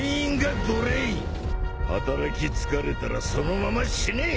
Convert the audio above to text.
働き疲れたらそのまま死ね！